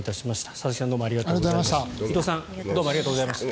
佐々木さん、伊藤さんありがとうございました。